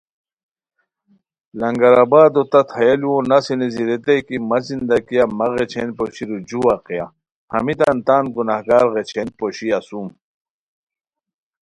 لنگر آبادو تت ہیہ ُ لوؤ نسی نیزی ریتائے کی مہ زندگیہ مہ غیچھین پوشیرو جو واقعہ ہمیتان تان گنہگار غیچھین پوشی اسوم